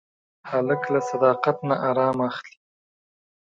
هلک له صداقت نه ارام اخلي.